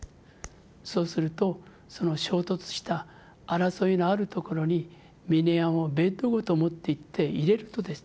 そうするとその衝突した争いのある所にミネヤンをベッドごと持っていって入れるとです」